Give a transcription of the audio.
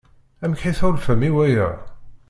Amek i tḥulfam i waya?